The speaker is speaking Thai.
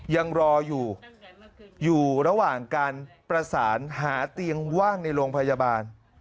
ยังรออยู่อยู่ระหว่างการประสานหาเตียงว่างในโรงพยาบาล